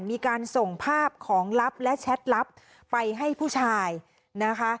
มีการส่งภาพของลับและแชทลับไปให้ผู้ชายนะคะ